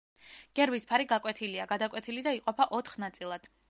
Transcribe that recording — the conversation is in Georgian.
გერბის ფარი გაკვეთილია, გადაკვეთილი და იყოფა ოთხ ნაწილად.